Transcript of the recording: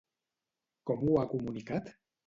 Com ho ha comunicat?